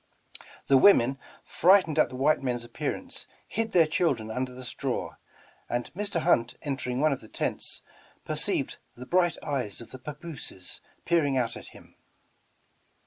The women, frightened at the white men's appearance, hid their children under the straw, and Mr. Hunt en tering one of the tents, perceived the bright eyes of the papooses peering out at him.